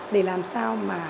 để làm sao mà